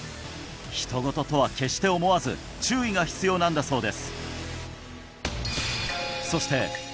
ひとごととは決して思わず注意が必要なんだそうです